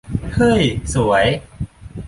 เฮ้ย สวย